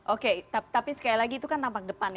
oke tapi sekali lagi itu kan tampak depan ya